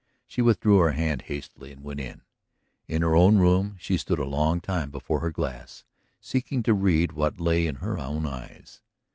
She withdrew her hand hastily and went in. In her own room she stood a long time before her glass, seeking to read what lay in her own eyes.